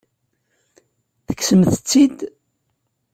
Tekksemt-tt-id?